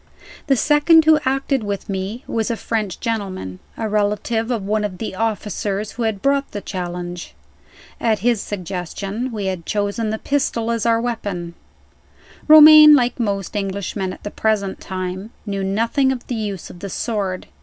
The second who acted with me was a French gentleman, a relative of one of the officers who had brought the challenge. At his suggestion, we had chosen the pistol as our weapon. Romayne, like most Englishmen at the present time, knew nothing of the use of the sword.